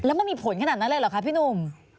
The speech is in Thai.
แล้วมันมีผลขนาดนั้นเลยเหรอคะพี่หนุ่ม